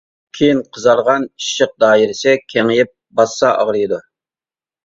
كېيىن قىزارغان ئىششىق دائىرىسى كېڭىيىپ باسسا ئاغرىيدۇ.